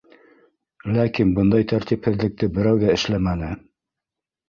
Ләкин бындай тәртипһеҙлекте берәү ҙә эшләмәне.